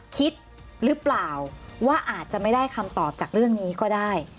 คิดหรือเปล่าว่าอาจจะไม่ได้คำตอบจากเรื่องนี้ก็ได้